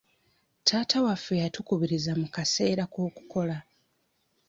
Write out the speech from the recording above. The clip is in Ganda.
Taata waffe yatukubiriza mu kaseera k'okukola.